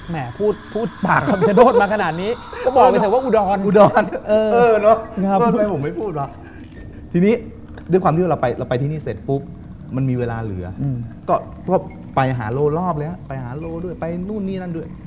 แต่พูดป่าคำชโชตมาขนาดนี้